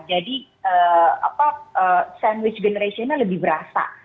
jadi sandwich generation ini lebih berasa